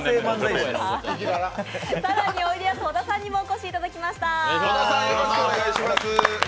更においでやす小田さんにもお越しいただきました。